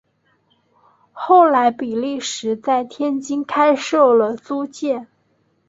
后来比利时在天津开设了租界。